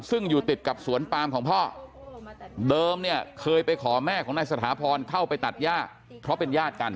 ซึ่งอยู่ติดกับสวนปามของพ่อเดิมเนี่ยเคยไปขอแม่ของนายสถาพรเข้าไปตัดย่าเพราะเป็นญาติกัน